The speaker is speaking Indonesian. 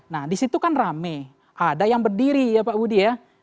nah disitu kan rame ada yang berdiri ya pak budi ya